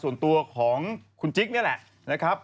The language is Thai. เนี่ยแหละนะครับ